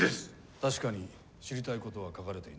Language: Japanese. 確かに知りたい事は書かれていない。